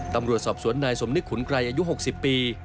ตำรวจสอบสวนนายสมนึกขุนไกรอายุ๖๐ปี